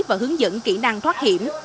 và hướng dẫn kỹ năng thoát hiểm